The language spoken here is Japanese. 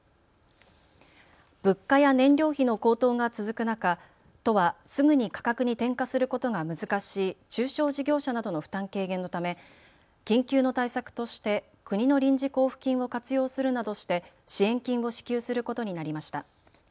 物価や燃料費の高騰が続く中、都はすぐに価格に転嫁することが難しい中小事業者などの負担軽減のため緊急の対策として国の臨時交付金を活用するなどして支援金を支給することになりました。